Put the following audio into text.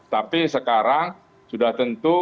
tapi sekarang sudah tentu